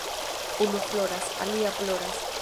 Unu floras, alia ploras.